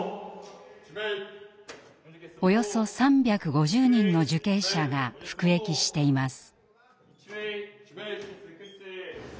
およそ３５０人の受刑者が服役しています。